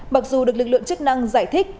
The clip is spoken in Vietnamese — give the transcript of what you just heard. mặc dù được lực lượng chức năng giải thích